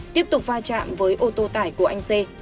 tiếp tục va chạm với ô tô tải của anh xê